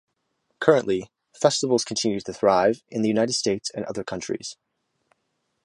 Currently, festivals continue to thrive in the United States and other countries.